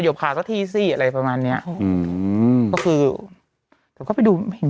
โยบคาซะทีซี่อะไรประมาณเนี้ยอืมก็คือเขาไปดูเห็น